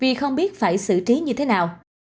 vì không biết phải xử trí như thế nào